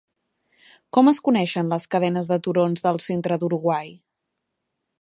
Com es coneixen les cadenes de turons del centre d'Uruguai?